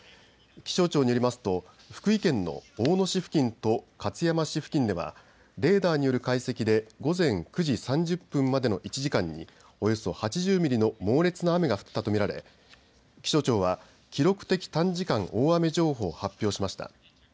気象庁によりますと福井県の大野市付近と勝山市付近ではレーダーによる解析で午前９時３０分までの１時間におよそ８０ミリの猛烈な雨が降ったと見られ気象庁は記録的短時間大雨情報を発表しました。